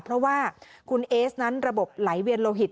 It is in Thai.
เพราะว่าคุณเอสนั้นระบบไหลเวียนโลหิต